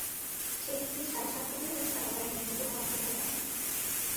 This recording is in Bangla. সেই থেকে সাড়ে সাত কোটিরও বেশি টাকা ব্যয়ে নির্মিত ভবনটি পড়ে আছে।